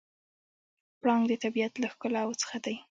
پړانګ د طبیعت له ښکلاوو څخه دی.